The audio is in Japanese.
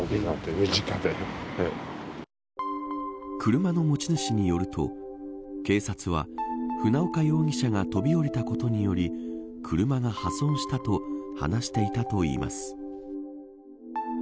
車の持ち主によると警察は、船岡容疑者が飛び降りたことにより車が破損したと話していたといいます。